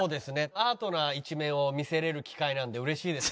アートな一面を見せられる機会なので嬉しいです。